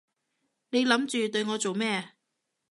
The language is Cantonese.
你諗住對我做咩？